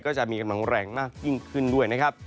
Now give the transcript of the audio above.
จะมีกำลังแรงมากยิ่งขึ้นด้วยนะครับ